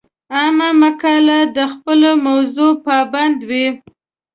عامه مقاله د خپلې موضوع پابنده وي.